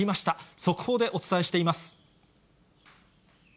速報でお伝えしています。